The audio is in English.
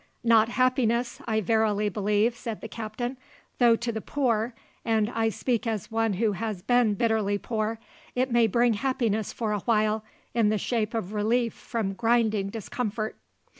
"Not happiness, I verily believe," said the Captain, "though to the poor and I speak as one who has been bitterly poor it may bring happiness for a while in the shape of relief from grinding discomfort."